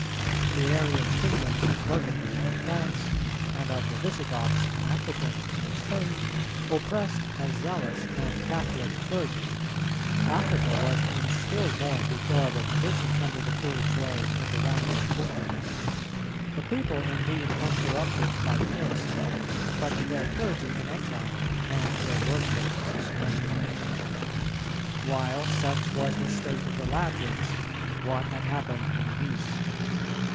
The Arian kingdoms of Burgundy in France, and of the Visigoths in Aquitaine and Spain, oppressed a zealous and Catholic clergy, Africa was in still more deplorable condition under the cruel sway of the Vandal Gundamond: the people indeed uncorrupted by the heresy,[321:1] but their clergy in exile and their worship suspended. While such was the state of the Latins, what had happened in the East?